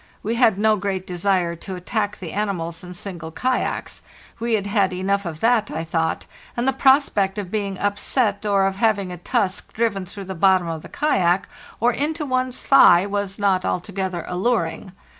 We had no great desire to attack the animals in single kayaks; we had had enough of that, I thought, and the prospect of being upset or of having a tusk driven through the bottom of the kayak or into one's thigh was not altogether alluring.